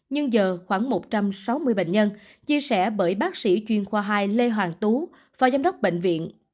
nhưng giờ khoảng một trăm sáu mươi bệnh nhân chia sẻ bởi bác sĩ chuyên khoa hai lê hoàng tú phó giám đốc bệnh viện